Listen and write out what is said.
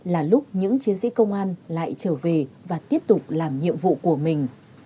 là lúc những chiến sĩ công an lại trở về và tiếp tục làm nhiệm vụ của mình